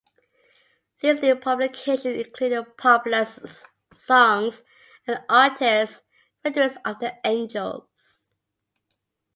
These new publications included popular songs and artists' renderings of the angels.